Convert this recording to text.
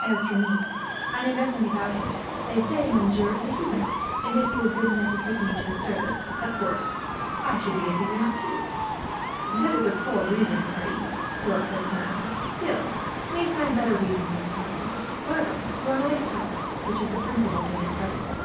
As for me, I know nothing about it. They say monsieur is a Huguenot, and if he were good enough to take me into his service, of course I should be a Huguenot." "That is a poor reason, Pierre," Philip said smiling. "Still, you may find better reasons, in time. However, you are not a Catholic, which is the principal thing, at present.